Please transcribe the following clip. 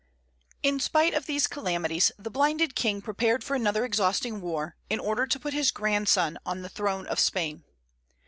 In spite of these calamities the blinded King prepared for another exhausting war, in order to put his grandson on the throne of Spain.